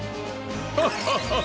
ハハハハハ！